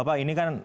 bapak ini kan